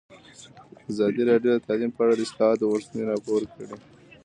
ازادي راډیو د تعلیم په اړه د اصلاحاتو غوښتنې راپور کړې.